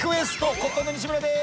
コットンの西村です。